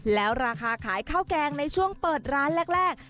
แล้วราคาขายข้าวแกงในช่วงเปิดร้านแรก